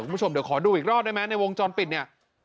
คุณผู้ชมเดี๋ยวขอดูอีกรอบได้ไหมในวงจรปิดเนี่ย